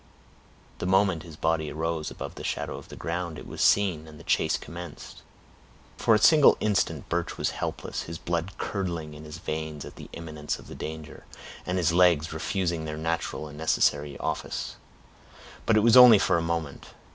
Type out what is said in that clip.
The moment his body arose above the shadow of the ground, it was seen, and the chase commenced. For a single instant, Birch was helpless, his blood curdling in his veins at the imminence of the danger, and his legs refusing their natural and necessary office. But it was only for a moment.